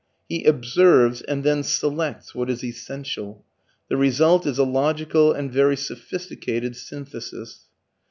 He OBSERVES and then SELECTS what is essential. The result is a logical and very sophisticated synthesis.